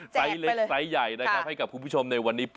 ไซส์เล็กไซส์ใหญ่นะครับให้กับคุณผู้ชมในวันนี้